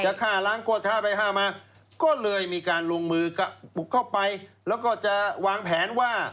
ฆ่าล้างโคตรท่าไปห้ามาก็เลยมีการลงมือบุกเข้าไปแล้วก็จะวางแผนว่า